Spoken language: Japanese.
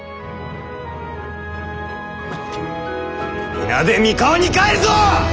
皆で三河に帰るぞ！